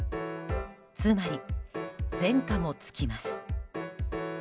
つまり、前科も付きます。